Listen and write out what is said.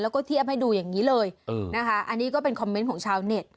แล้วก็เทียบให้ดูอย่างนี้เลยนะคะอันนี้ก็เป็นคอมเมนต์ของชาวเน็ต